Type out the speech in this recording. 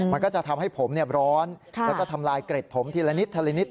มันก็จะทำให้ผมร้อนแล้วก็ทำลายเกร็ดผมทีละนิดทีละนิด